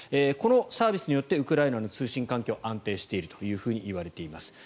このサービスによってウクライナの通信環境が安定しているといわれています。